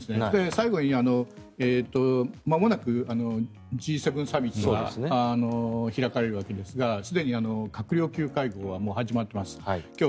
最後にまもなくＧ７サミットが開かれるわけですがすでに閣僚級会合は始まっています。